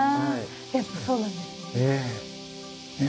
やっぱそうなんですね。